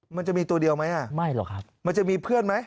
มันจะมีตัวเดียวไหมอ่ะไม่หรอกครับมันจะมีเพื่อนไหม